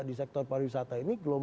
di sektor pariwisata ini